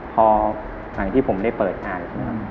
พอหลังที่ผมได้เปิดอ่าน